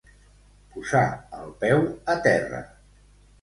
Posar el peu a terra.